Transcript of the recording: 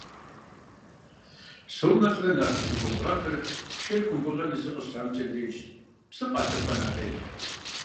Псом нэхърэ нэхъ сызэгузыгъэпыр шейр кумбыгъэм изу къыщарамыкӏэм дежщ, псыр къащэхуа нэхъей.